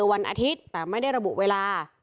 วันอาทิตย์แต่ไม่ได้ระบุเวลา